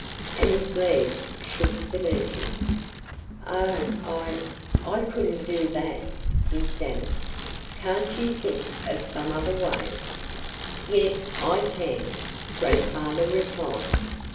And his legs shook beneath him. "Oh! I I couldn't do that!" he stammered. "Can't you think of some other way?" "Yes, I can!" Grandfather replied.